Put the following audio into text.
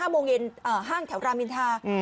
โมงเย็นห้างแถวรามอินทา